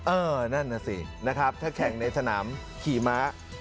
เออนั่นน่ะสินะครับถ้าแข่งในสนามขี่ม้า